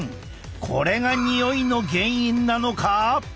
これがにおいの原因なのか！？